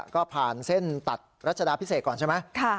ก็ผ่านเส้นตัดรัชดาพิเศษก่อนใช่ไหม